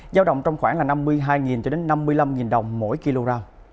giao động trong khoảng năm mươi hai năm mươi năm đồng mỗi kg